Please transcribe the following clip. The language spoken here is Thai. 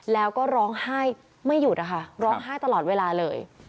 แล้วก็ร้องไห้ไม่หยุดนะคะร้องไห้ตลอดเวลาเลย